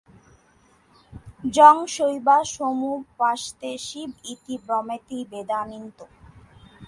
যং শৈবা সমুপাসতে শিব ইতি ব্রহ্মেতি বেদান্তিনো।